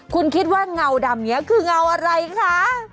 คุณคิดว่าเงาดำนี้คือเงาอะไรคะ